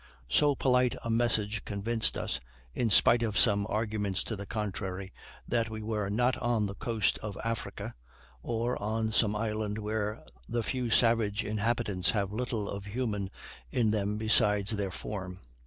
So polite a message convinced us, in spite of some arguments to the contrary, that we were not on the coast of Africa, or on some island where the few savage inhabitants have little of human in them besides their form.